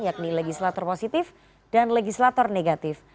yakni legislator positif dan legislator negatif